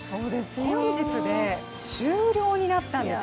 本日で終了になったんですよ。